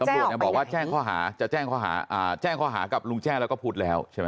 แต่ตำรวจเนี่ยบอกว่าแจ้งข้อหาจะแจ้งข้อหาอ่าแจ้งข้อหากับลุงแจ้แล้วก็พูดแล้วใช่ไหม